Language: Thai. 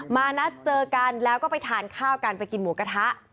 มานัดเจอกันแล้วก็ไปทานข้าวกันไปกินหมูกระทะ